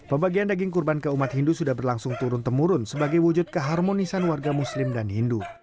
pembagian daging kurban ke umat hindu sudah berlangsung turun temurun sebagai wujud keharmonisan warga muslim dan hindu